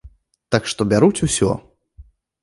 Так што бяруць усё.